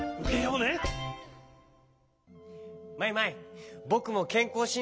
マイマイぼくもけんこうしん